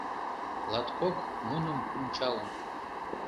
Латкок муным мунчалын.